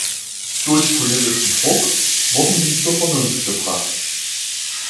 Durch politischen Druck wurden Sie zur Vernunft gebracht.